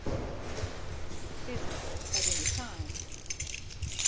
Seasonable at any time.